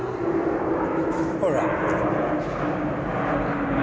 ほら。